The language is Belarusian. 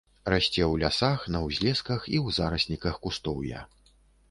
Расце ў лясах, на ўзлесках і ў зарасніках кустоўя.